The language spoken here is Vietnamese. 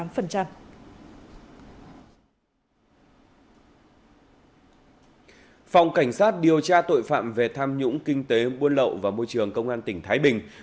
phòng cảnh sát điều tra tội phạm về tham nhũng kinh tế buôn lậu và môi trường công an tỉnh thái bình